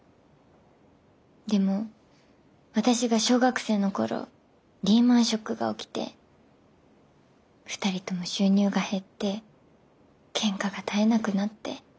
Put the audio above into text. でも私が小学生の頃リーマンショックが起きて二人とも収入が減ってけんかが絶えなくなって。